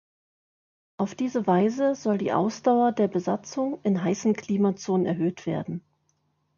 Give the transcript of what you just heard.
Auf diese Weise soll die Ausdauer der Besatzung in heißen Klimazonen erhöht werden.